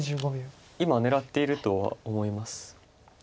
今狙っているとは思います。